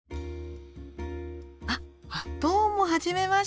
あっどうも初めまして。